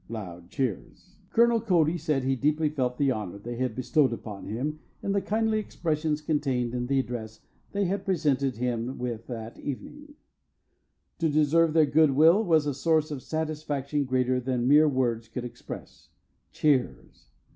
(Loud cheers.) Colonel Cody said he deeply felt the honor they had bestowed upon him in the kindly expressions contained in the address they had presented him with that evening. To deserve their good will was a source of satisfaction greater than mere words could express. (Cheers.)